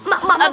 mak mak mak